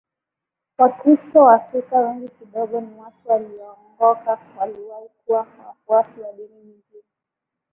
Wakristo Waafrika wengi kidogo ni watu walioongoka waliwahi kuwa wafuasi wa dini nyingine